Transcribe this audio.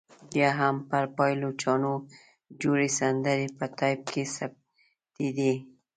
بیا هم پر پایلوچانو جوړې سندرې په ټایپ کې ثبتېدې.